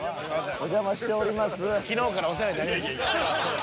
お邪魔しております。